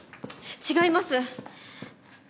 違います！